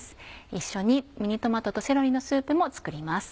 一緒にミニトマトとセロリのスープも作ります。